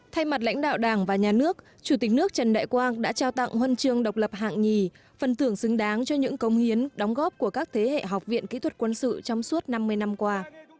thay mặt lãnh đạo đảng và nhà nước chủ tịch nước trần đại quang đã trao tặng huân chương độc lập hạng nhì phần thưởng xứng đáng cho những công hiến đóng góp của các thế hệ học viện kỹ thuật quân sự trong suốt năm mươi năm qua